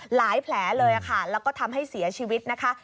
แผลเลยค่ะแล้วก็ทำให้เสียชีวิตนะคะ